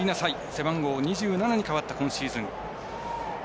背番号が２７に変わった今シーズン。